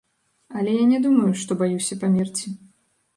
Але я не думаю, што баюся памерці.